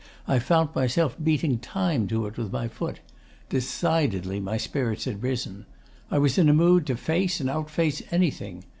I found myself beating time to it with my foot. Decidedly, my spirits had risen. I was in a mood to face and outface anything.